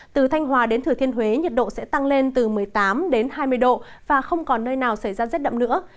từ thanh hòa đến thừa thiên huế nhiệt độ sẽ tăng lên từ một mươi tám đến hai mươi độ và không còn nơi nào xảy ra rét đậm nữa